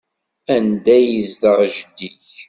Anda ay yezdeɣ jeddi-k?